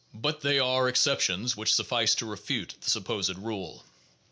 But they are exceptions which suffice to refute the supposed rule.